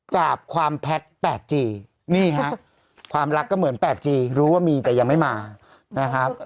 กราบความแพทย์๘จีนี่ฮะความรักก็เหมือน๘จีรู้ว่ามีแต่ยังไม่มานะครับ